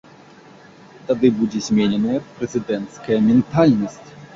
Тады будзе змененая прэзідэнцкая ментальнасць.